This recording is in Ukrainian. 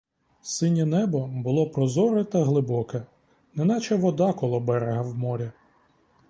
Синє небо було прозоре та глибоке, неначе вода коло берега в морі.